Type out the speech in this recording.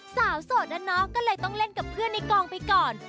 โสดนะเนาะก็เลยต้องเล่นกับเพื่อนในกองไปก่อน